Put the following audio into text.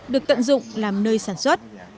được tận dụng làm nơi sản xuất